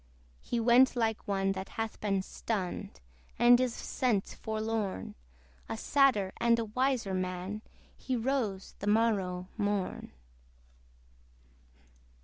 He went like one that hath been stunned, And is of sense forlorn: A sadder and a wiser man, He rose the morrow morn.